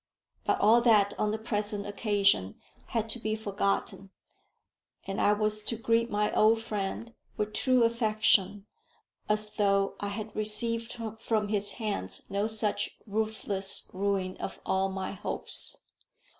But all that on the present occasion had to be forgotten, and I was to greet my old friend with true affection, as though I had received from his hands no such ruthless ruin of all my hopes.